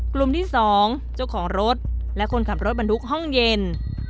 กลุ่มที่๒เจ้าของรถและคนขับรถบรรทุกห้องเย็น